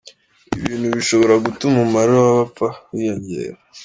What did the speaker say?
Ibintu bishobora gutuma umubare w’abapfa wiyongera.